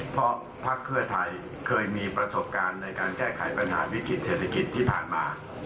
เพราะภักดิ์เพื่อไทยเคยมีประสบการณ์ในการแก้ไขปัญหาวิกฤติเศรษฐกิจที่ผ่านมา